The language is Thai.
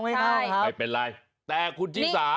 ไม่เป็นไร